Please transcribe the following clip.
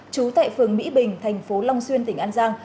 trú tại phường mỹ bình thành phố long xuyên tỉnh an giang